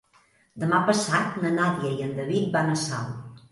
Demà passat na Nàdia i en David van a Salt.